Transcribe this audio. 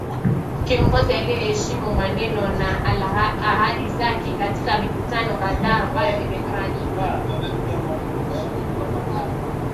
Kiongozi aliyeheshimu maneno na ahadi zake katika mikutano kadhaa ambayo imefanyika